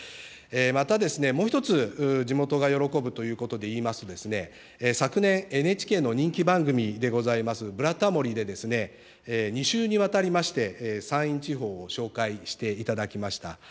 また、もう１つ、地元が喜ぶということでいいますと、昨年、ＮＨＫの人気番組でございますブラタモリで、２週にわたりまして山陰地方を紹介していただきました。